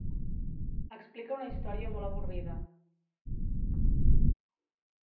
Explica una història molt avorrida.